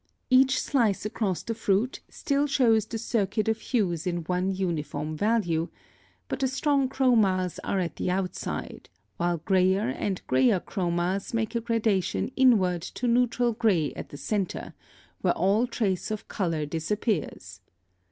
Each slice across the fruit still shows the circuit of hues in one uniform value; but the strong chromas are at the outside, while grayer and grayer chromas make a gradation inward to neutral gray at the centre, where all trace of color disappears.